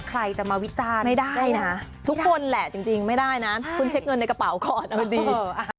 ก็มันก็เป็นเรื่องของผู้ใหญ่